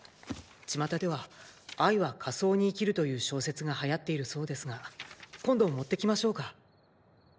巷では「愛は仮想に生きる」という小説が流行っているそうですが今度持ってきましょうか？